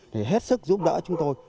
để hết sức giúp đỡ chúng tôi